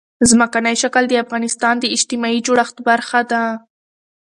ځمکنی شکل د افغانستان د اجتماعي جوړښت برخه ده.